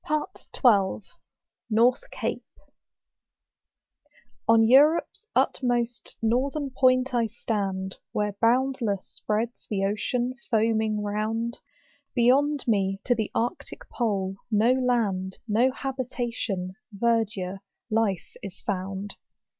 I LAPLAND. 21 On Europe's utmost northern point I stand, Where boundless spreads the ocean foaming round ; Beyond me to the arctic pole, no land, No habitation, verdure, life, is found.